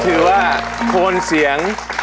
ถือว่าโคนเสียง